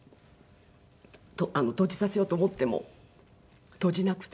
閉じさせようと思っても閉じなくて。